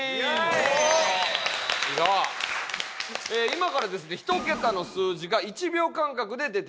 今からですね１桁の数字が１秒間隔で出てきます。